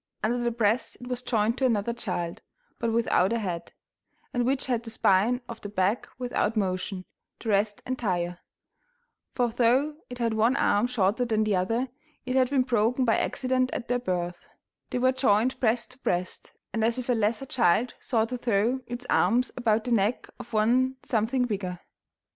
Under the breast it was joined to another child, but without a head, and which had the spine of the back without motion, the rest entire; for though it had one arm shorter than the other, it had been broken by accident at their birth; they were joined breast to breast, and as if a lesser child sought to throw its arms about the neck of one something bigger.